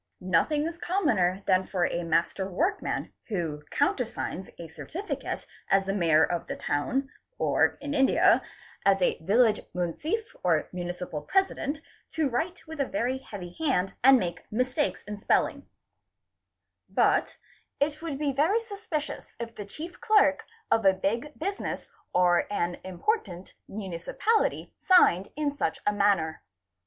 Nothing is commoner — than for a master workman who countersigns a certificate as the Mayor of the Town or, in India, as a Village Munsiff or Municipal President to write with a heavy hand and make mistakes in spelling; but it would be very suspicious if the chief clerk of a big business or an important municipality signed in such a manner.